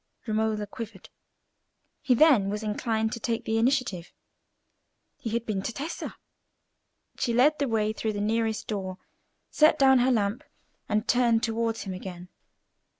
Romola quivered. He then was inclined to take the initiative. He had been to Tessa. She led the way through the nearest door, set down her lamp, and turned towards him again.